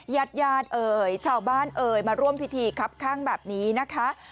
ญาติญาติเอ่ยชาวบ้านเอ่ยมาร่วมพิธีครับข้างแบบนี้นะคะ